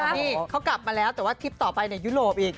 นี่เขากลับมาแล้วแต่ว่าทริปต่อไปในยุโรปอีก